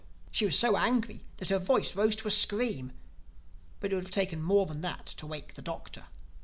She was so angry that her voice rose to a scream. But it would have taken more than that to wake the Doctor.